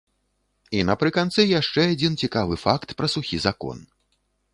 І напрыканцы яшчэ адзін цікавы факт пра сухі закон.